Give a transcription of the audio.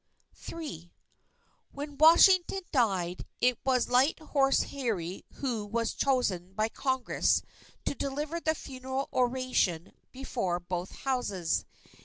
III When Washington died, it was Light Horse Harry who was chosen by Congress to deliver the funeral oration before both Houses.